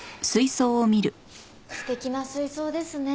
素敵な水槽ですね。